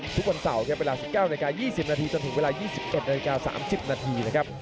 ทุกวันเสาร์และเวลา๑๙๒๐นารจนถึงเวลา๒๑๓๐น้ายครับ